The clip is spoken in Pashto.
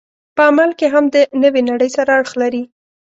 په عمل کې هم د نوې نړۍ سره اړخ لري.